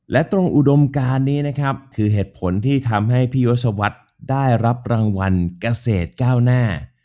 และตรงอุดมการนี้นะครับคือเหตุผลที่ทำให้พี่ยศวรรษได้รับรางวัลเกษตรก้าวหน้า